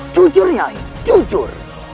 jujur nyai jujur